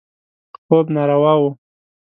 خوب ناروا و.